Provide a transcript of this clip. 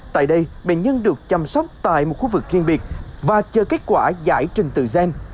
tại đây bệnh nhân được chăm sóc tại một khu vực riêng biệt và chờ kết quả giải trình tự gen